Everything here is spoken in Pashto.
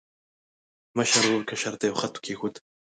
مشر ورور کشر ته یو شرط کېښود.